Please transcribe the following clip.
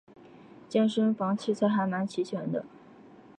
健身房器材还蛮齐全的